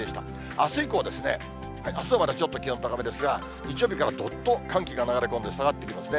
あす以降ですね、あすはまだちょっと気温高めですが、日曜日からどっと寒気が流れ込んで下がってきますね。